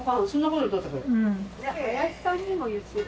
林さんにも言ってた。